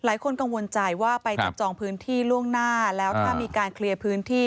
หลายคนกังวลใจว่าไปจับจองพื้นที่ล่วงหน้าแล้วถ้ามีการเคลียร์พื้นที่